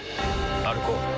歩こう。